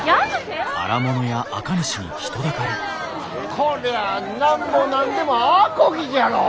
こりゃあなんぼ何でもあこぎじゃろう！